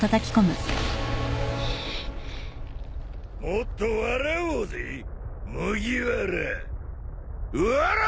もっと笑おうぜ麦わら。